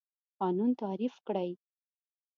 قانون تعریف کړئ.